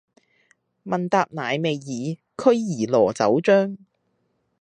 問答乃未已，驅兒羅酒漿。